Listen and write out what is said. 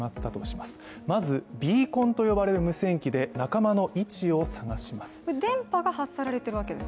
まず、ビーコンと呼ばれる無線機で仲間の位置を捜します。